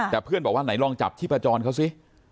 แต่เพื่อนส์บอกว่าลองจับชีพจรเค้าซิ